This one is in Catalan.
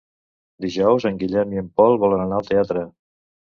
Dijous en Guillem i en Pol volen anar al teatre.